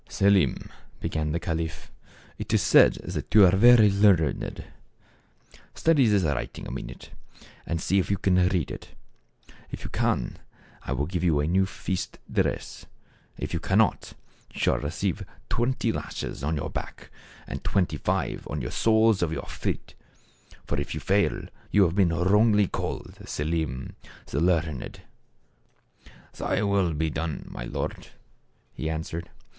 " Selim," began the caliph, "it is said that you are very learned ; study this writing a minute, aud see if you can read it. If you can, I will give you a new feast dress ; if you cannot, you shall receive twelve lashes on your back, and twenty five on the soles of .your feet. Tor, if you fail, you have been wrongly called Selim the Learned." Selim bent the knee. " Thy will be done, my lord," he answered.